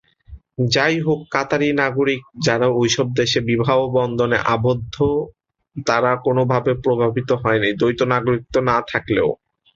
যাইহোক, কাতারি নাগরিক যারা ঐসব দেশে বিবাহ বন্ধনে আবদ্ধ তারা কোনভাবে প্রভাবিত হয়নি, দ্বৈত নাগরিকত্ব না থাকলেও।